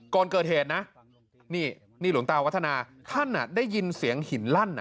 ก่อนเกิดเหตุนะนี่หลวงตาวัฒนาท่านได้ยินเสียงหินลั่น